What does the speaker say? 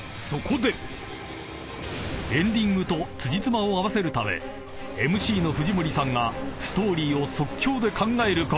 ［エンディングとつじつまを合わせるためＭＣの藤森さんがストーリーを即興で考えることに］